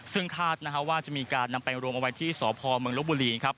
ซึ่งคาดนะครับว่าจะมีการนำไปรวมเอาไว้ที่สพมลบุรี